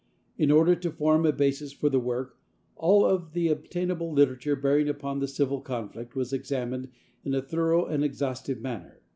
In order to form a basis for the work all of the obtainable literature bearing upon the civil conflict was examined in a thorough and exhaustive manner.